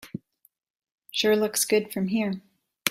It sure looks good from here.